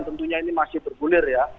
tentunya ini masih bergulir ya